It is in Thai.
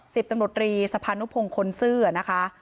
สิบตำรวจรีสภานุพงศ์คนซื่อนะคะ